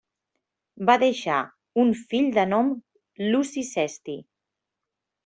Va deixar un fill de nom Luci Sesti.